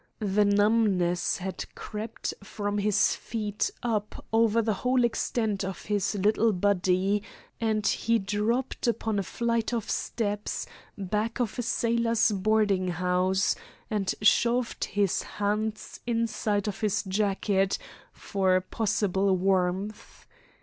The numbness had crept from his feet up over the whole extent of his little body, and he dropped upon a flight of steps back of a sailors' boarding house, and shoved his hands inside of his jacket for possible warmth.